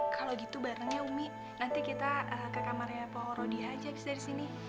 kalau gitu barengnya umi nanti kita ke kamarnya pohoro dihajaks dari sini